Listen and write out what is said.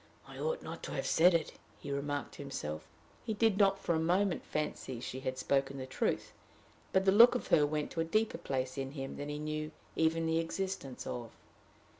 "I ought not to have said it," he remarked to himself. He did not for a moment fancy she had spoken the truth; but the look of her went to a deeper place in him than he knew even the existence of.